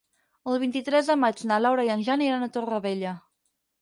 El vint-i-tres de maig na Laura i en Jan iran a Torrevella.